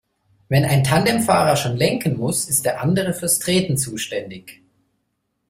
Wenn ein Tandemfahrer schon lenken muss, ist der andere fürs Treten zuständig.